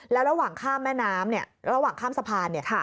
แล้วระหว่างข้ามแม่น้ำเนี่ยระหว่างข้ามสะพานเนี่ย